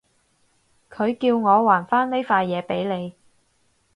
佢叫我還返呢塊嘢畀你